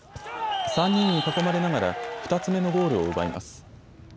３人に囲まれながら２つ目のゴールを奪います。